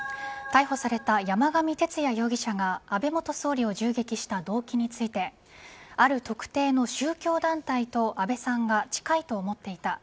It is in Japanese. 逮捕された山上徹也容疑者が安倍元総理を銃撃した動機についてある特定の宗教団体と安倍さんが近いと思っていた。